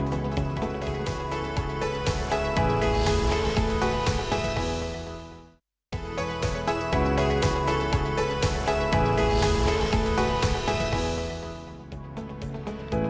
kembali bersama insight with desy anwar